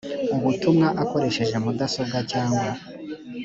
ubutumwa akoresheje mudasobwa cyangwa